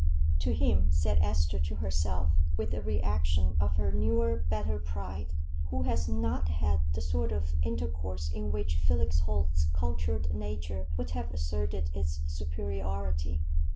"To him," said Esther to herself, with a reaction of her newer, better pride, "who has not had the sort of intercourse in which Felix Holt's cultured nature would have asserted its superiority."